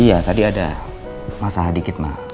iya tadi ada masalah dikit mah